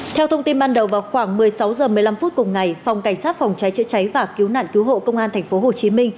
theo thông tin ban đầu vào khoảng một mươi sáu h một mươi năm phút cùng ngày phòng cảnh sát phòng cháy chữa cháy và cứu nạn cứu hộ công an tp hcm